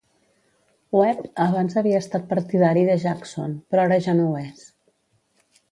Webb abans havia estat partidari de Jackson, però ara ja no ho és.